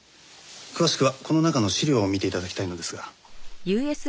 詳しくはこの中の資料を見て頂きたいのですが。